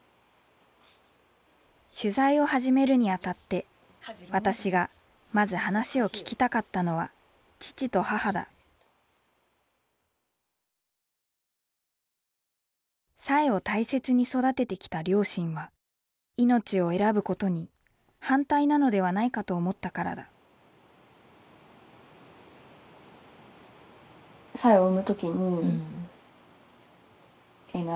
取材を始めるにあたって私がまず話を聞きたかったのは父と母だ彩英を大切に育ててきた両親は命を選ぶことに反対なのではないかと思ったからだえっ